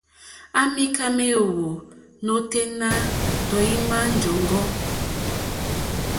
À mìká méèwó óténá tɔ̀ímá !jɔ́ŋɡɔ́.